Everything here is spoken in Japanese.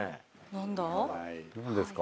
何ですか？